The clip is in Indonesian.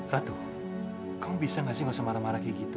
ratu kamu bisa gak sih gak usah marah marah kayak gitu